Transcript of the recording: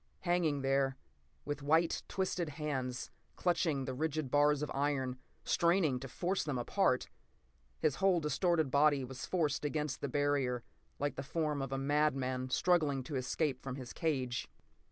Hanging there, with white, twisted hands clutching the rigid bars of iron, straining to force them apart. His whole distorted body was forced against the barrier, like the form of a madman struggling to escape from his cage.